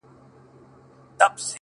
چي زموږ څه واخله دا خيرن لاســـــونه”